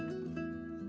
p dalam living room